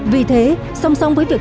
vì thế song song với việc